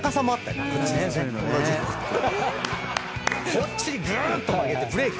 こっちにぐーっと曲げてブレーキ